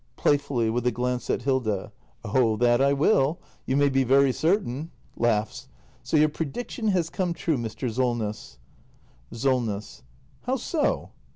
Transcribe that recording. [Playfully, with a glance at Hilda.] Oh that I will, you may be very certain! So your predic tion has come true, Mr. Solness! SOLNESS. How so